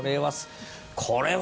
これは。